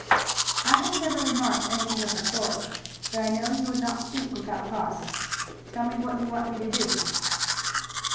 "I have never remarked anything of the sort, but I know you would not speak without cause. Tell me what you want me to do."